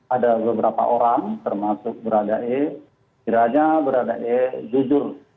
ada beberapa orang termasuk berada e kiranya berada e jujur